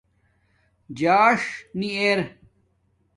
ژاݽ نی ار